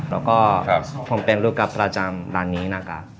แล้วก็ผมเป็นลูกกัสประจำร้านนี้นะครับ